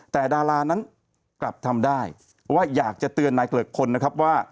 แต่ดารานั้นกลับทำได้ว่าอยากจะเตือนนายเกลิกพลนะครับว่า